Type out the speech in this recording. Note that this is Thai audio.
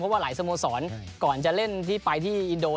เพราะว่าหลายสโมสรก่อนจะเล่นที่ไปที่อินโด